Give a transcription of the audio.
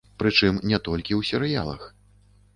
Прычым не толькі ў серыялах.